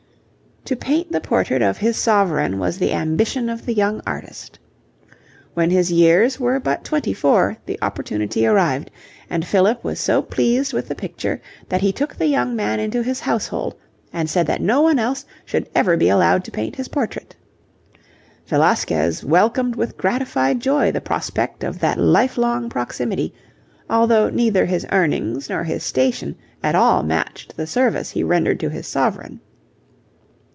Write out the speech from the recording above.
To paint the portrait of his sovereign was the ambition of the young artist. When his years were but twenty four the opportunity arrived, and Philip was so pleased with the picture that he took the young man into his household, and said that no one else should ever be allowed to paint his portrait. Velasquez welcomed with gratified joy the prospect of that life long proximity, although neither his earnings nor his station at all matched the service he rendered to his sovereign.